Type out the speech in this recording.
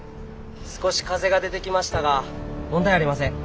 少し風が出てきましたが問題ありません。